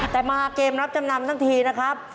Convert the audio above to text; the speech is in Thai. แต่มาเกมรับจำนำทั้งทีนะครับ